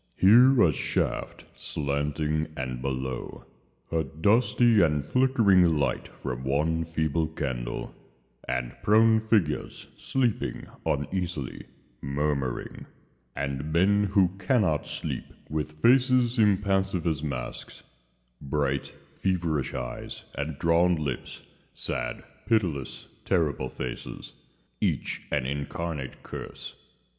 Here a shaft, slanting, and below A dusty and flickering light from one feeble candle And prone figures sleeping uneasily, Murmuring, And men who cannot sleep, With faces impassive as masks, Bright, feverish eyes, and drawn lips, Sad, pitiless, terrible faces, Each an incarnate curse.